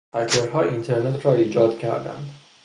هکرها اینترنت را ایجاد کردند.